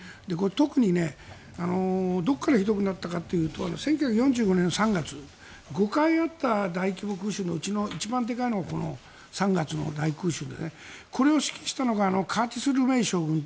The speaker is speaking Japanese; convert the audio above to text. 特にどこからひどくなったかというと１９４５年の３月５回あった大規模空襲のうちの一番でかいのが３月の大空襲でこれを指揮したのがカーティス・ルメイ将軍。